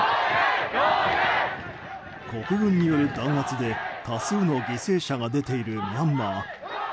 国軍による弾圧で多数の犠牲者が出ているミャンマー。